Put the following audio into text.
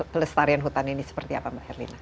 pelestarian hutan ini seperti apa mbak herlina